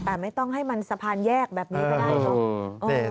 แต่ไม่ต้องให้มันสะพานแยกแบบนี้ก็ได้เนอะ